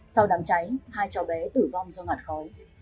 sau đám cháy hai cháu bé tử vong do ngạt khói